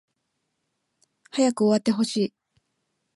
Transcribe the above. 早く終わってほしい